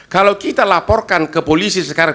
kalau kita laporkan ke polisi sekarang